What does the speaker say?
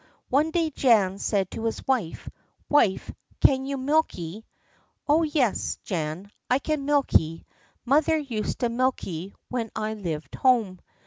One day Jan said to his wife: "Wife, can you milk y?" "Oh, yes, Jan, I can milk y. Mother used to milk y when I lived home."